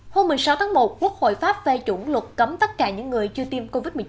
hôm một mươi sáu tháng một quốc hội pháp phê chuẩn luật cấm tất cả những người chưa tiêm covid một mươi chín